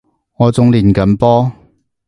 我仲練緊波